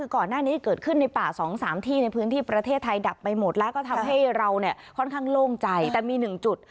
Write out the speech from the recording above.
ก่อนหน้านี้เกิดขึ้นในป่า๒๓ที่ในพื้นที่ประเทศไทยดับไปหมดแล้วก็ทำให้เราเนี่ยค่อนข้างโล่งใจแต่มีหนึ่งจุด